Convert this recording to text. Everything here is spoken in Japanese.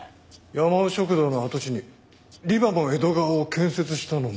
やまお食堂の跡地にリバモ江戸川を建設したのも。